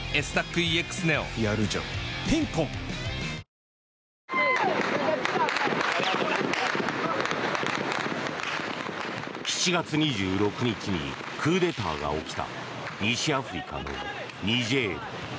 三菱電機７月２６日にクーデターが起きた西アフリカのニジェール。